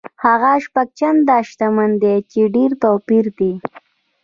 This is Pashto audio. هغه شپږ چنده شتمن دی چې ډېر توپیر دی.